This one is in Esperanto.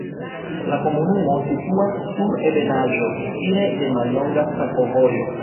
La komunumo situas sur ebenaĵo, fine de mallonga sakovojo.